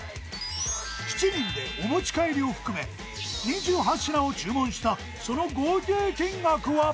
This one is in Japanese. ［７人でお持ち帰りを含め２８品を注文したその合計金額は？］